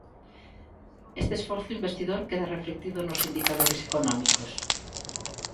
Este esforzo investidor queda reflectido nos indicadores económicos.